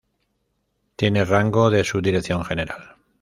Tiene rango de subdirección general.